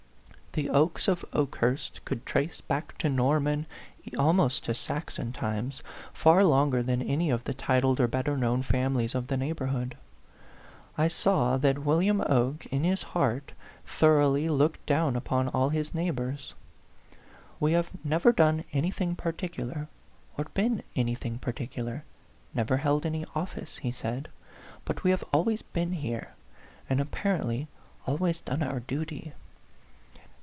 The Okes of Okehurst could trace back to Norman, almost to Saxon times, far longer than any of the titled or A PHANTOM LOVER. 43 better known families of the neighborhood. I saw that William Oke, in his heart, thorough ly looked down upon all his neighbors. " We have never done anything particular, or been anything particular never held any office," he said; "but we have always been here, and apparently always done our duty.